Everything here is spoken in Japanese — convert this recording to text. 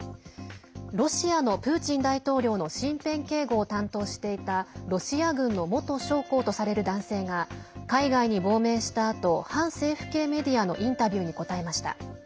ロシアのプーチン大統領の身辺警護を担当していたロシア軍の元将校とされる男性が海外に亡命したあと反政府系メディアのインタビューに答えました。